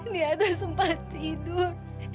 di atas tempat tidur